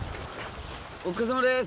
お疲れさまです。